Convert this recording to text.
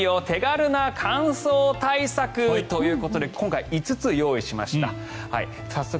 手軽な乾燥対策ということで今回は５つ用意しました。